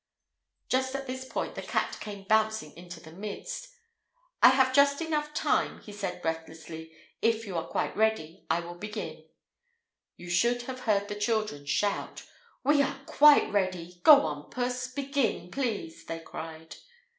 Just at this point the cat came bouncing into their midst. "I have just time enough," he said, breathlessly; "if you are quite ready, I will begin." You should have heard the children shout! "We are quite ready! Go on, Puss! Begin, please," they cried.